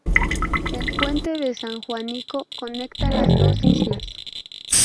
El puente de San Juanico conecta las dos islas.